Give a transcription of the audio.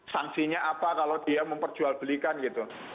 sanksinya apa kalau dia memperjualbelikan gitu